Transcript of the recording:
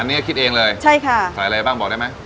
อันนี้คิดเองเลยใช่ค่ะใส่อะไรบ้างบอกได้ไหม